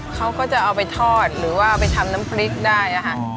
เขาก็จะเอาไปทอดหรือว่าไปทำน้ำพริกได้ค่ะ